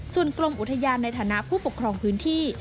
ส่วนกรมอุทยานในฐานะผู้ปกครองพื้นที่